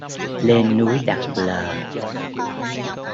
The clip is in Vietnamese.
Lên núi đặt lờ